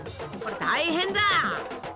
大変だ！